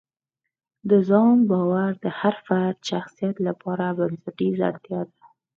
د ځان باور د هر فرد شخصیت لپاره بنسټیزه اړتیا ده.